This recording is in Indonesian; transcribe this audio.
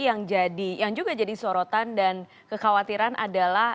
yang jadi yang juga jadi sorotan dan kekhawatiran adalah